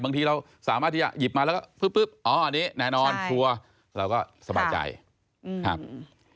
บางทีเราสามารถที่จะหยิบมาแล้วก็ปุ๊บอ๋ออันนี้แน่นอนครัวเราก็สบายใจครับ